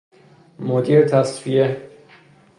مدیر تصفیه